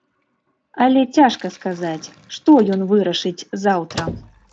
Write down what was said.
Але цяжка сказаць, што ён вырашыць заўтра.